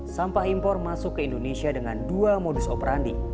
sampah impor masuk ke indonesia dengan dua modus operandi